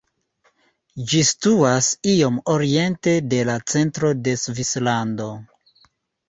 Ĝi situas iom oriente de la centro de Svislando.